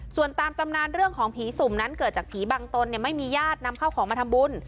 ส่วนตามตำนานเรื่องของผีสุ่มนั้นเกิดจากผีบางตนไม่มีญาตินำเข้าของมาทำบุญ